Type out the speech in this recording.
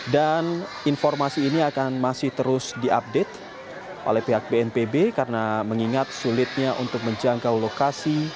dan informasi ini akan masih terus diupdate oleh pihak bnpb karena mengingat sulitnya untuk menjangkau lokasi